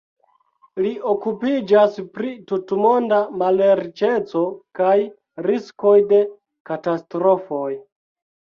Li okupiĝas pri tutmonda malriĉeco kaj riskoj de katastrofoj.